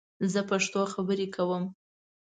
زه پښتو خبرې کوم